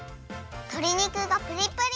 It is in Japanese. とり肉がプリプリ！